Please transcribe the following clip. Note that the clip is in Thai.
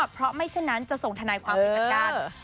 เพราะไม่ฉะนั้นจะส่งธนายความเป็นประการ